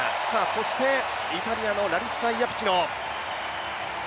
そしてイタリアのラリッサ・イアピキノ。